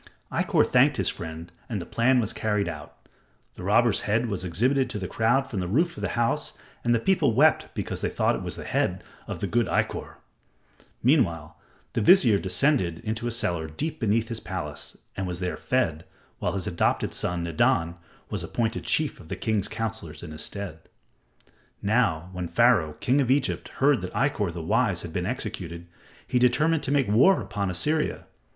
Ikkor thanked his friend and the plan was carried out. The robber's head was exhibited to the crowd from the roof of the house and the people wept because they thought it was the head of the good Ikkor. Meanwhile, the vizier descended into a cellar deep beneath his palace and was there fed, while his adopted son, Nadan, was appointed chief of the king's counselors in his stead. Now, when Pharaoh, king of Egypt, heard that Ikkor, the wise, had been executed, he determined to make war upon Assyria.